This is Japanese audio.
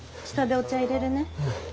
下でお茶いれるね。